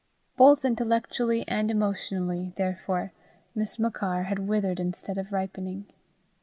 Both intellectually and emotionally, therefore, Miss Machar had withered instead of ripening.